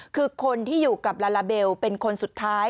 คือคนที่อยู่กับลาลาเบลเป็นคนสุดท้าย